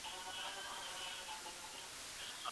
د انسان ستونزې لا هم هماغسې دي.